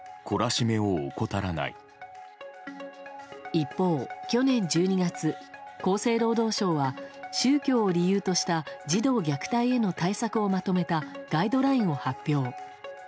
一方、去年１２月厚生労働省は宗教を理由とした児童虐待への対策をまとめたガイドラインを発表。